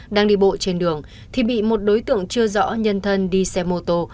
đang đi bộ trên đường thì bị một đối tượng chưa rõ nhân thân đi xe mô tô